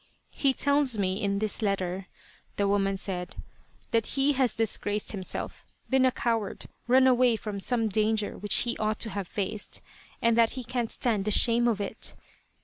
"He tells me in this letter," the woman said, "that he has disgraced himself, been a coward, run away from some danger which he ought to have faced; and that he can't stand the shame of it."